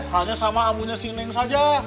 hanya sama abunya si neng saja